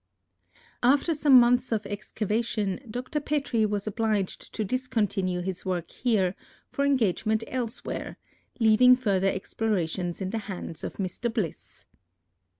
After some months of excavation, Dr. Petrie was obliged to discontinue his work here for engagements elsewhere, leaving further explorations in the hands of Mr. Bliss.